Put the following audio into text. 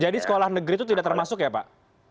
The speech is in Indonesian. jadi sekolah negeri itu tidak termasuk ya pak